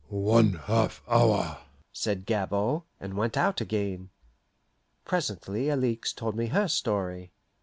"One half hour," said Gabord, and went out again. Presently Alixe told me her story.